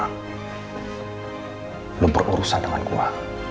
anda berurusan dengan saya